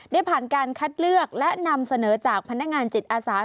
ได้ผ่านการคัดเลือกและนำเสนอจากพนักงานจิตอาสา